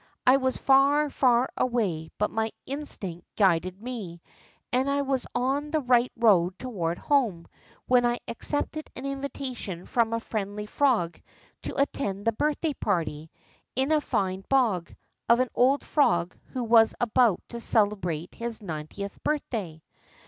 I was far, far away, but my instinct guided me, and I was on the right road toward home, when I ac cepted an invitation from a friendly frog to attend the birthday party, in a fine bog, of an old frog who was about to celebrate his ninetieth birth day.